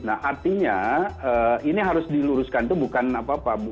nah artinya ini harus diluruskan itu bukan apa apa